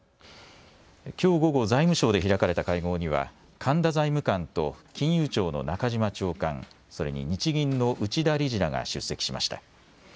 きょう午後、財務省で開かれた会合には神田財務官と金融庁の中島長官、それに日銀の内田理事らが出席しました。